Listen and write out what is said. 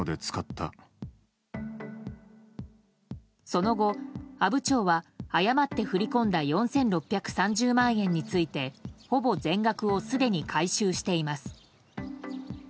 その後、阿武町は誤って振り込んだ４６３０万円についてほぼ全額をすでに回収しています。